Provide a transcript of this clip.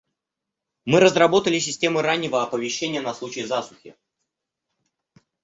Мы разработали системы раннего оповещения на случай засухи.